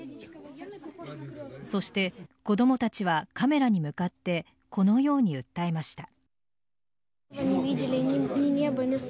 そして子供たちはカメラに向かってこのように訴えました。